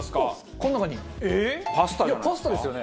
この中に？いやパスタですよね？